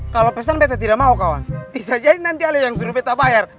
kalo pesan beta tidak mau kawan bisa jadi nanti ale yang suruh beta bayar